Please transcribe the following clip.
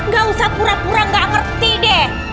gak usah pura pura gak ngerti deh